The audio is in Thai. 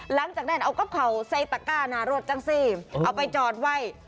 หลังจากนั้นเอาก็เข่าใส่ตะก้าหน้ารถจังสิเอาไปจอดไว้